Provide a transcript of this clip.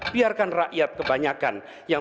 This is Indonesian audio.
biarkan rakyat kebanyakan yang